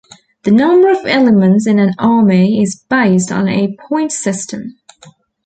The number of elements in an army is based on a points system.